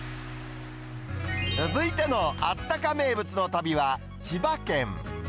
続いてのあったか名物の旅は、千葉県。